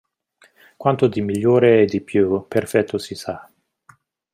Quanto di migliore e di più perfetto si sa.